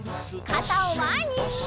かたをまえに！